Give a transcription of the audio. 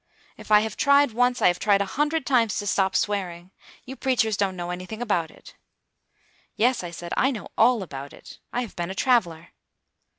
If I have tried once, I have tried a hundred times to stop swearing. You preachers don't know anything about it." "Yes," I said, "I know all about it; I have been a traveler."